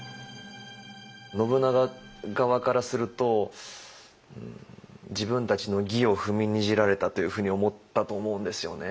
信長側からすると自分たちの義を踏みにじられたというふうに思ったと思うんですよね。